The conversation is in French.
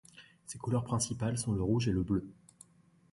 Ses couleurs principales sont le rouge et le bleu.